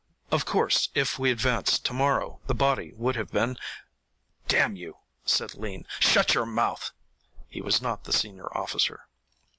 Of course, if we advance to morrow the body would have been " "Damn you," said Lean, "shut your mouth!" He was not the senior officer.